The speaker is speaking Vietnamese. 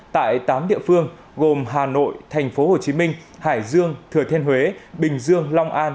tại tám địa phương gồm hà nội tp hcm hải dương thừa thiên huế bình dương long an